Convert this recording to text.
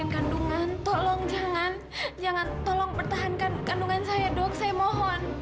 kandungan tolong jangan jangan tolong pertahankan kandungan saya dok saya mohon